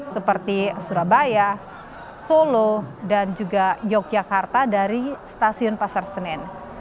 seperti surabaya solo dan juga yogyakarta dari stasiun pasar senen